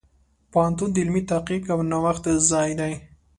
پوهنتون د علمي تحقیق او نوښت ځای دی.